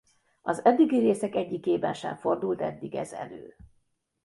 Az eddigi részek egyikében sem fordult eddig ez elő.